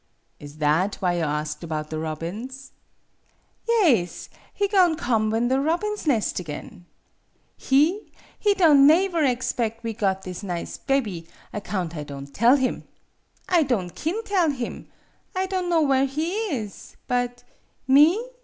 "Is that why you asked about the robins ?" "Yaes; he go'n' come when the robins nest again. He ? He don' naever egspeg we got this nize bebby, account I don' tell him. I don' kin tell him. I don' know where he is. But me?